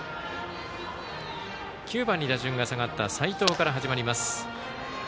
９番に打順が下がった齋藤から始まります。